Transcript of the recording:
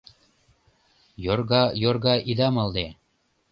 Йорга-йорга ида малде: